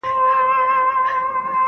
که چیرې باران وشي نو ځمکه به شنه شي.